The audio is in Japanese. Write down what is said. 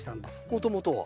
もともとは？